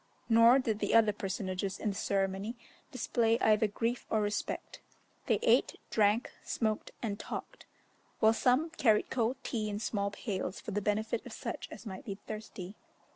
Nor did the other personages in the ceremony display either grief or respect; they ate, drank, smoked, and talked, while some carried cold tea in small pails for the benefit of such as might be thirsty.